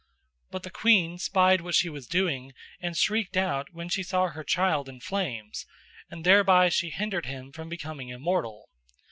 But the queen spied what she was doing and shrieked out when she saw her child in flames, and thereby she hindered him from becoming immortal.